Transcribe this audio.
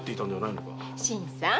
新さん。